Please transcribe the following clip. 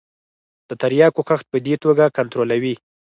د تریاکو کښت په دې توګه کنترولوي.